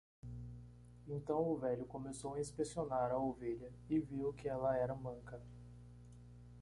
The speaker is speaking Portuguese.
Então o velho começou a inspecionar a ovelha e viu que ela era manca.